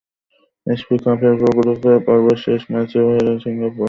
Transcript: AFC কাপের group পর্বের শেষ ম্যাচেও হেরেছে সিঙ্গাপুরের টেম্পাইন রোভার্সের কাছে।